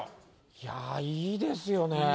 いやいいですよね。